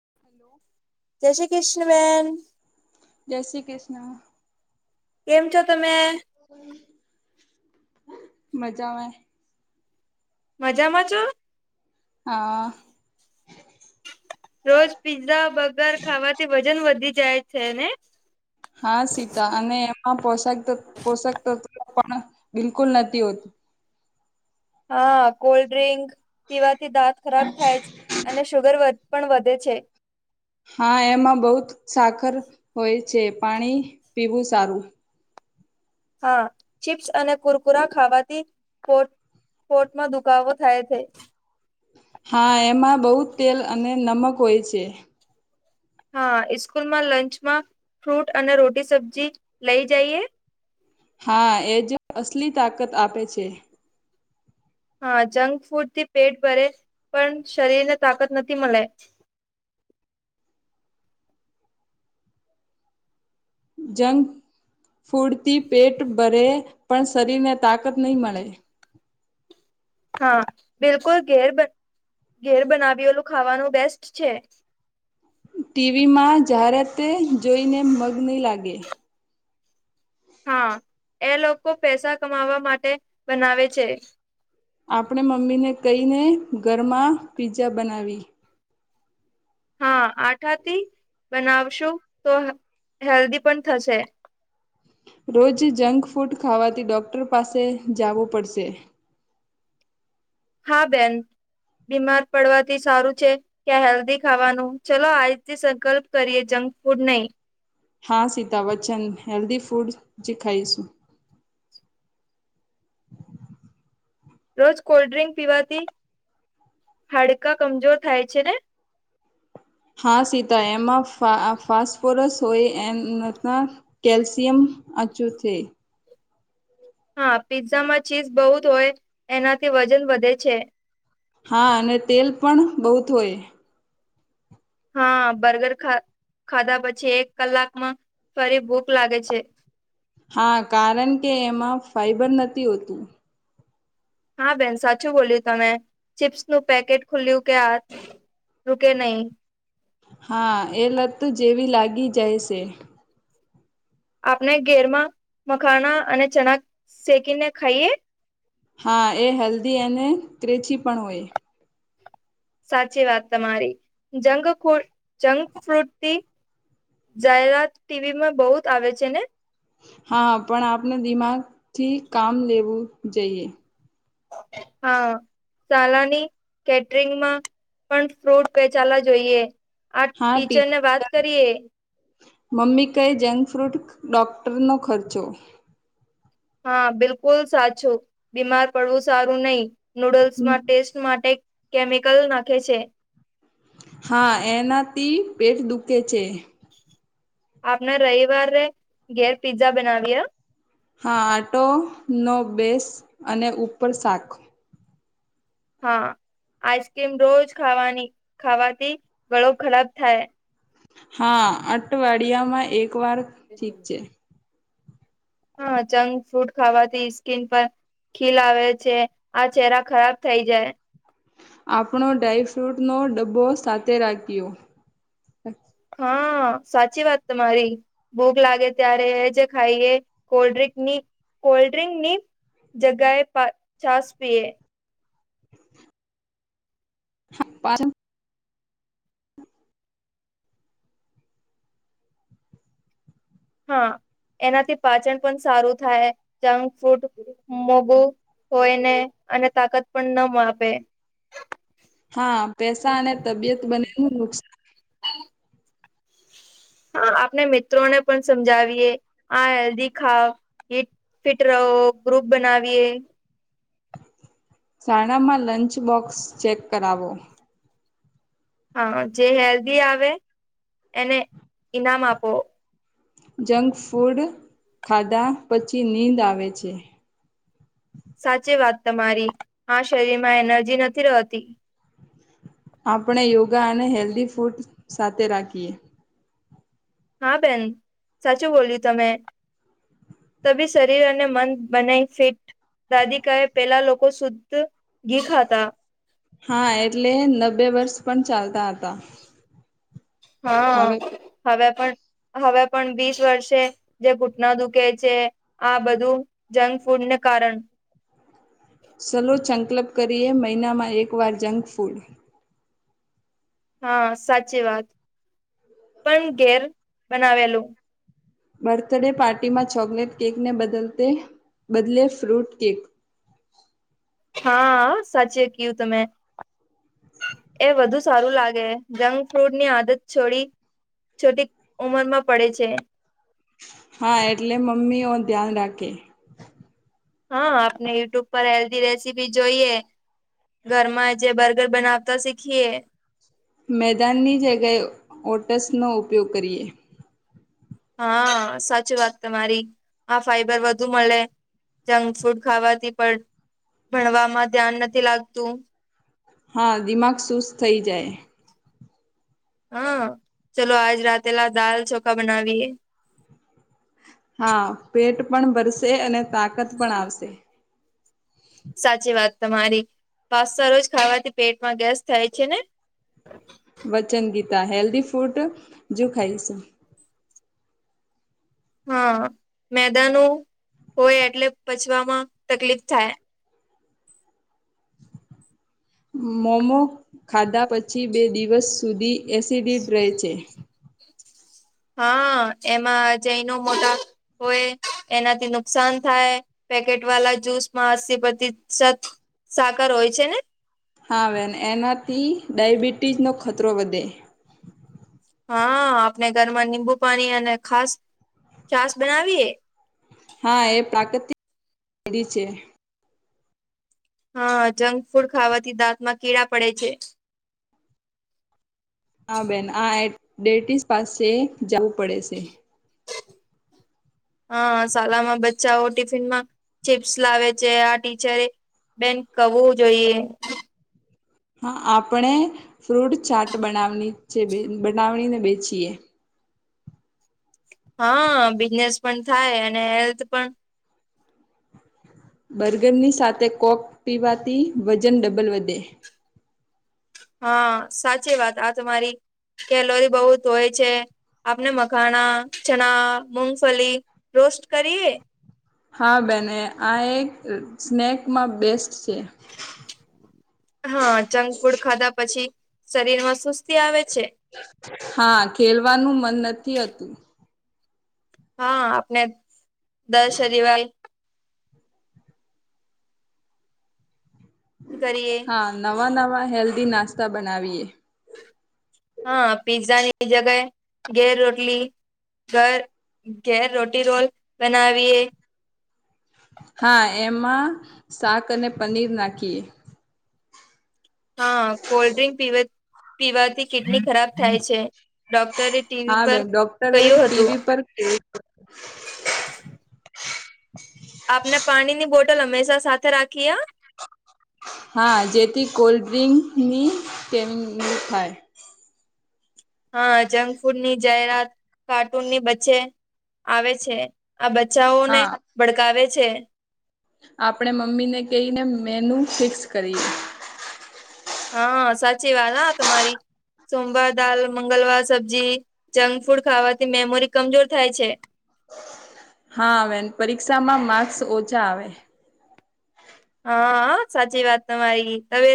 [inaudible] જય શ્રી કૃષ્ણ બેન. જય શ્રી કૃષ્ણ. કેમ છો તમે. મજામાં. મજામાં છો. હા આ.. રોજ પીઝા બર્ગર ખાવાથી વજન વધી જાય છે ને? હા સીતા અને એમાં પોષાકવ પોષક તત્વ પણ બિલકુલ નથી હોતું. હા કોલ્ડ ડ્રિંક પીવાથી દાંત ખરાબ થાય જ અને સુુગર વધ પણ વધે છે. હા એમાં બહુ ત સાકર હોય છે પાણી પીવું સારું. હા ચીપ્સ અને કુરકુરા ખાવાથી. કોર્ટમાં દુખાવો થાય છે. હા એમાં બહુ જ તેલ અને નમક હોય છે. હા ઈસ્કૂલ માં લંચમાં ફ્રૂટ અને રોટી સબ્જી લઈ જઈએ. હા એજ અસલી તાકત આપે છે. હા જંક ફૂડ થી પેટ ભરે પણ શરીર ને તાકત નથી મલે.. જંક ફૂડથી પેટ ભરે પણ શરીર ને તાકત નહીં મળે. હા બિલકુલ ઘેર ઘેર બનાવીલું ખાવાનું બેસ્ટ છે. ટીવીમાં જાહેરાતે જોઈને મગ નહીં લાગે. હા એ લોકો પૈસા કમાવા માટે બનાવે છે. આપણે મમ્મીને કહીને ઘરમાં પીઝા બનાવી. હા આઠાથી બનાવશું તો હેલ્ધી પણ થશે. રોજ જંક ફૂડ ખાવાથી ડોક્ટર પાસે જવું પડશે. હા બેન બીમાર પડવાથી સારું છે ક્યાં હેલ્ધી ખાવાનું ચલો આજથી સંકલ્પ કરીએ જંક ફૂડ નહી. હા સીતા વચ્ચન હેલ્ધી ફૂડ જેી ખાઈશું. રોજ કોલ્ડ્રિંક પીવાથી હાડકા કમજોર થાય છે ને? હા સીતા એમાં ફસ્ફોરસ હોય એ. કેલ્શિયમ અચું થ. હા પીઝ્ઝામાં ચીઝ બહુ જ હોય એનાથી વજન વધે છે. હા અને તેલ પણ બહુત હોય. હા બર્ગર ખા ખાધા પછી એક કલાકમાં ફરી ભૂખ લાગે છે. હા કારણ કે એમાં ફાઈબર નથી હોતું. હા બેન સાચું બોલ્યું તમે ચીપ્સ નું પેકેટ ખુલ્યું કે આ રૂકે નહી. હા એ લત જેવી લાગી જાય છે. આપણે ઘેરમાં મખાણા અને ચણા શેકીને ખાઈએ. હા એ હેલ્ધી અને ત્રેચી પણ હોય. સાચી વાત તમારી જંગ જંક ફ્રુતી થી જાહેરાત ટીવી માં બહુ જ આવે છે ને? હા પણ આપણે દિમાગથી કામ લેવું જઈએ. હા. શલાની કેટરિંગમાં પણ ફ્રૂટ પેચાવા જોઈએ. આ હા ટી ટીચર ને વાત કરીએ. મમ્મી કઈ જંક ફ્રૂટ ડોક્ટરનો ખર્ચો. હા બિલકુલ સાચું બીમાર પડવું સારું નહીિ નુડલ્સમાં ટેસ્ટ માટે કેમિકલ નાખે છે. હા એનાથી પેટ દુખે છે. આપણે રવિવાર ઘેર પિઝઝા બનાવીએ. હા આટો નો બેસ અને ઉપર શાક. હા આઈસ્ક્રીમ રોજ ખાવાની ખાવાથી ગળો ખરાબ થાય. હા અઠવાડિયામાં એક વાર ઠીક છે. હા જંક ફૂડ ખાવાથી સ્કીન પર ખીલ આવે છે આ ચહેરા ખરાબ થઇ જાય. આપણો ડાયફ્રૂટનો ડબ્બો સાથે રાખ્યો. હા સાચી વાત તમારી. ભૂખ લાગે ત્યારે એજ ખાઈએ કોલ્ડિક ની કોલ્ડ્રિંક ની જગએ છાાસ પીએ. હા પાલન. હા એનાથી પાચન પણ સારું થાય જંક ફ્રૂટ મોગું હોય ને અને તાકાત પણ ન માપે. હા પેસા અને તબિયત બને નું હા, નુકસાન. હ આપને મિત્રોને પણ સમજાવીએ આ હેલ્ધી ખાવ ફિટ રહો ગ્રુપ બનાવીએ. શાણામાં લંચ બોક્સ ચેક કરાવો. હા જે હેલ્ધી આવે એને ઈનામ આપો. જંક ફૂડ ખાધા પછી નીંદ આવે છે. સાચી વાત તમારી હા શરીર માં એનર્જી નથી રહેતી. આપણે યોગા અને હેલ્ધી ફૂડ સાથે રાખીએ. હા બેન સાચું બોલ્યું તમે. ત બી શરીર અને મન બનાય ફિટ. દાદી કાહે પેલા લોકો શુદ્ધ ઘી ખાતા. હા એટલે નબે વર્ષ પણ ચાલતા હતા. હા હવે હવે પણ હવે પણ વીસ વર્ષે. જે ઘૂટના દુખે છે આ બધું જંક ફૂડને કારણ. સલો સંકલપ કરીએ મહિનામાં એકવાર જંક ફૂડ. હા સાચી વાત પણ ઘેર બનાવેલું. બર્થડે પાર્ટી માં ચોકલેટ કેકને બદલ બદલે ફ્રૂટ કેક. હા સાચી કું તમે એ વધુ. સારું લાગે જંક ફ્રૂટ ની આદત છોડી છોટી ઉંમર માં પડે છે. હા એટલે મમ્મી ઓ ધ્યાન રાખે. હા આપણે યુટ્યુબ પર હેલ્ધી રેસીપી જોઈએ. ઘરમાં જે બર્ગર બનાવતા શીખીએ. મેદાનની જગ્યાએ ઓટસનો ઉપયોગ કરીએ. હા સાચી વાત તમારી આ ફાઈબર વધુ મળે. જંક ફૂડ ખાવાથી પણ ભણવામાં ધ્યાન નથી લાગતું. હા દિમાગ સુસ્ત થઈ જાય. હા ચલો આજ રાતેલા દાલ ચોખા બનાવીએ. હા પેટ પણ ભરસે અને તાકાત પણ આવશે. સાચી વાત તમારી પાસ્સા રોજ ખાવાથી પેટમાં ગેસ થાય છે ને. વચન ગીતા હેલ્ધી ફૂડ જો ખાઈશ. હા મેદા ન હોય એટલે પચવામાં તકલીફ થાય. મોૉમો ખાધા પછી બે દિવસ સુધી એસિડિડ રહે છે. હા એમાં જૈનો મોટા હોય એનાથી નુકસાન થાય. પેકેટ વાલા જૂસમાં અસ્સી અસીપતિશત સાકર હોય છે ને? હા વેન એનાથી ડાયબિટીઝનો ખતરો વધે હા આપણે ઘરમાં નિીબુ પાણી અને ખાસ છાસ બનાવીએ હા એ પ્રાકૃતિક છે. હા જંક ફૂડ ખાવાથી દાંતમાં કીળા પડે છે. હા બેન આ એ ડેટીસ પાસે જાવું પડે છે. હા શલામાં બચ્ચાઓ ટિફિનમાં ચિપ્સ લાવે છે, આ ટીચરે બેન કવુ જોઈએ. હા આપણે ફ્રૂટ ચાટ બનાવ છે, બનાવ ને બેચીએ હા બિઝનેસ પણ થાય અને હેલ્થ પણ બર્ગરની સાથે કોક પીવાથી વજન ડબલ વધે હા સાચી વાત આ તમારી કેલોરી બોહુત હોય છે. આપણે મખાણા, ચણા, મુગફલી રોસ્ટ કરીએ. હા બેને આ એક સ્નેકમાં બેસ્ટ છે. હા જંક ફૂડ ખાધા પછી શરીરમાં સુસ્તી આવે છે. હા ખેલવાનું મન નથી હતું હા આપને દસ હરીવાલ કરીએ. હા નવા નવા હેલ્ધી નાસ્તા બનાવીએ હા પિઝ્ઝાની જગાએ ઘેર રોટલી ઘર ઘેર રોટી રોલ બનાવીએ હા એમાં શાક અને પનીર નાખીએ હા કોલ્ડ્રિંક પીવ પીવાથી કિડની ખરાબ થાય છે. ડોક્ટરે હા ટીવી પર બેન ડોક્ટરે કહ્યું હતું. [inaudible] આપને પાણીની બોટલ હંમેશા સાથે રાખીએ હા જેથી કોલ્ડ ડ્રિંકની કેમ ની થાય હા જંક ફૂડની જાહેરાત કાર્ટૂનની બચ્ચે આવે છે. આ બચ્ચાઓને હા ભડકાવે છે. આપણે મમ્મીને કેય ને મેનુ ફિક્સ કરીએ હા સાચી વાત હા તમારી સોમવાર દાલ મંગલવાર સબ્જી જંક ફૂડ ખાવાથી મેમોરી કમજોર થાય છે. હા આવે પરીક્ષામાં માર્ક્સ ઓછા આવે હા સાચી વાત તમારી હવે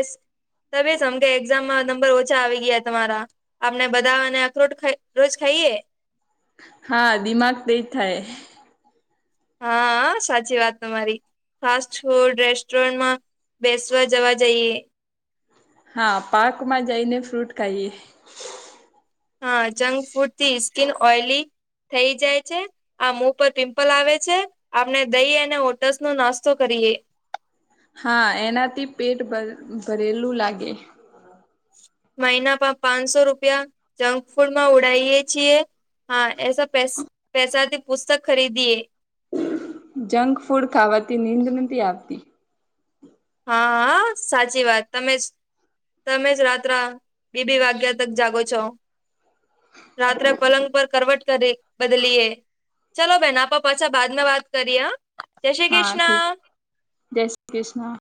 તમે સમ કે એક્ઝામમાં નંબર ઓછા આવી ગયા તમારા આપને બધા અને અખરોટ રોજ ખાઈએ હા દિમાગ તેજ થાય હા સાચી વાત તમારી ફાસ્ટ ફૂડ રેસ્ટોરન્ટમાં બેસવા જવા જઈએ હા પાર્કમાં જઈને ફ્રૂટ ખાઈએ હા જંક ફૂડથી સ્કીિન ઓઈલી થઈ જાય છે. આ મુ પર પિમ્પલ આવે છે, આપણે દહી અને ઓટસનો નાસ્તો કરીએ હા એનાથી પેટ ભ ભરેલું લાગે મહિના પાંચસો રૂપિયા જંક ફૂડમાં ઉડાયે છીએ હા એસા પૈ પૈસાથી પુસ્તક ખરીદીએ જંક ફૂડ ખાવાથી નીંદ નથી આવતી હા સાચી વાત તમે જ તમે જ રાત્ર બે બે વાગ્યા તક જાગો છો રાત્રે પલંગ પર કરવટ કરી બદલીએ ચાલલ બેન આપડે પાછા બાદમાં વાત કરીએ હા હા ઠીક જય શ્રી કૃષ્ણ